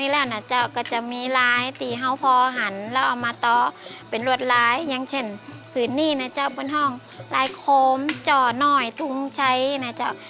ลายโค้มจ่อหน่อยทุ่งใช้นะจ๊ะ